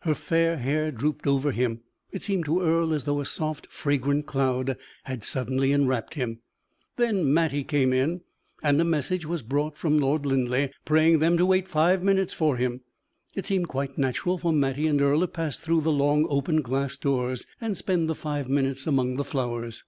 Her fair hair drooped over him; it seemed to Earle as though a soft, fragrant cloud had suddenly enwrapped him. Then Mattie came in, and a message was brought from Lord Linleigh, praying them to wait five minutes for him. It seemed quite natural for Mattie and Earle to pass through the long, open glass doors, and spend the five minutes among the flowers.